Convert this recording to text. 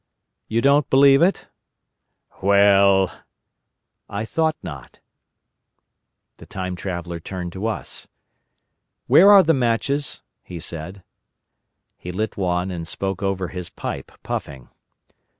"You don't believe it?" "Well——" "I thought not." The Time Traveller turned to us. "Where are the matches?" he said. He lit one and spoke over his pipe, puffing.